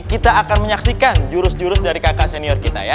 kita akan menyaksikan jurus jurus dari kakak senior kita ya